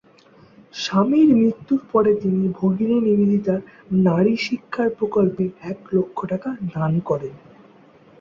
স্বামীর মৃত্যুর পরে তিনি ভগিনী নিবেদিতার নারী শিক্ষার প্রকল্পে এক লক্ষ টাকা দান করেন।